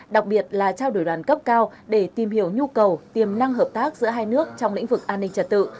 đặc biệt là trao đổi đoàn cấp cao để tìm hiểu nhu cầu tiềm năng hợp tác giữa hai nước trong lĩnh vực an ninh trật tự